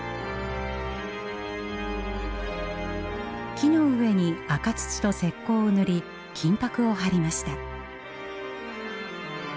木の上に赤土と石こうを塗り金ぱくを張りました。